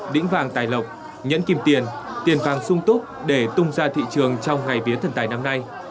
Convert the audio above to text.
đĩnh vàng tài lộc nhãn kìm tiền tiền vàng sung túc để tung ra thị trường trong ngày vía thần tài năm nay